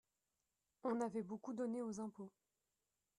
On avait beaucoup donné aux impôts.